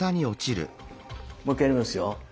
もう一回やりますよ。